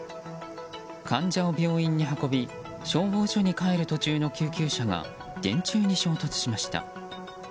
患者を病院に運び消防署に帰る途中の救急車が電柱に衝突しました。